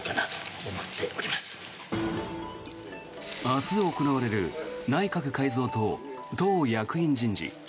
明日行われる内閣改造と党役員人事。